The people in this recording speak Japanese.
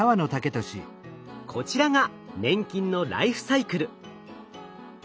こちらが粘菌のライフサイクル。